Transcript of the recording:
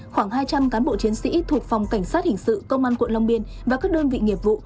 khoảng hai trăm linh cán bộ chiến sĩ thuộc phòng cảnh sát hình sự công an quận long biên và các đơn vị nghiệp vụ